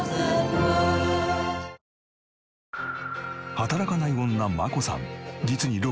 働かない女真子さん